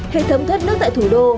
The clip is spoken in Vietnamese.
hệ thống thoát nước tại thủ đô